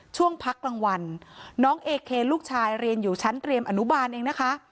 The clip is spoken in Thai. ช่วงพักกลางวันน้องเอเคนลูกชายเรียนอยู่ชั้นเตรียมอนุบาลเองนะคะ